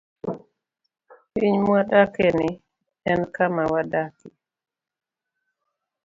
Piny mwadakieni, en kama wadakie.